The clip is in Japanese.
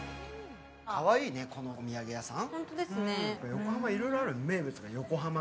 かわいいね、このお土産屋さん。